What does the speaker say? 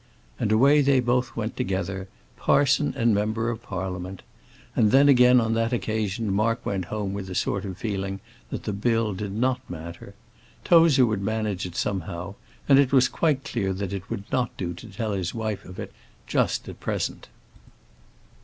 '" And away they both went together, parson and member of Parliament. And then again on that occasion Mark went home with a sort of feeling that the bill did not matter. Tozer would manage it somehow; and it was quite clear that it would not do to tell his wife of it just at present.